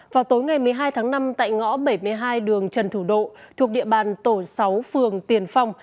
vào tối ngày một mươi hai tháng năm tại ngõ bảy mươi hai đường trần thủ độ thuộc địa bàn tổ sáu phường tiền phong